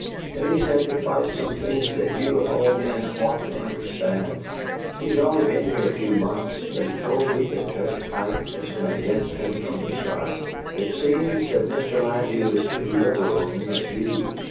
And he's had to fight some things that you of all men ought to understand. He's only been here a few months, but he told me that Judge Pike has been against him from the start. It seems that Mr. Ladew is too liberal in his views.